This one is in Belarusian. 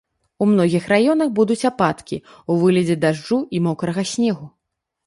У многіх раёнах будуць ападкі ў выглядзе дажджу і мокрага снегу.